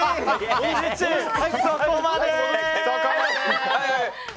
そこまで！